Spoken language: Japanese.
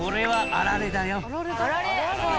あられ。